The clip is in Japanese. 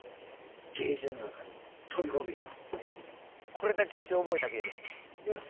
これだけ一応覚えた芸です。